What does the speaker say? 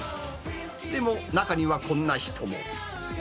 でも、中にはこんな人も。